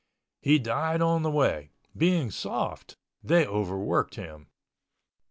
He died on the way—being soft, they overworked him.